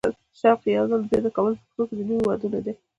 شوق یې یو ځل بیا د کابل په کوڅو کې د نویو وادونو دی.